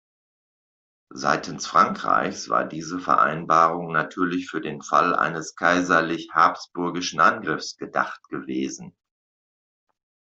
Seitens Frankreichs war diese Vereinbarung natürlich für den Fall eines kaiserlich-habsburgischen Angriffs gedacht gewesen.